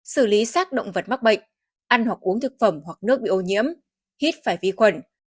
xử lý sát động vật mắc bệnh ăn hoặc uống thực phẩm hoặc nước bị ô nhiễm hít phải vi khuẩn